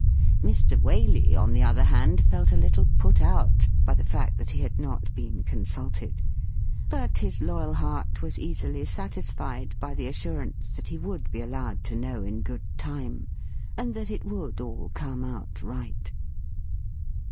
Mr. Waley, on the other hand, felt a little put out by the fact that he had not been consulted, but his loyal heart was easily satisfied by the assurance that lie would be allowed to know in good time, and that it would all come out right.